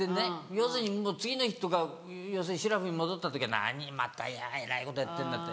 要するに次の日とかしらふに戻った時は何またえらいことやってんなって。